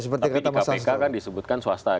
seperti kata mas hasto tapi di kpk kan disebutkan swasta